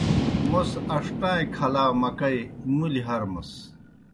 موْس اݜٹَائِیں کھلا مکئی مُلیْ ہرمَس۔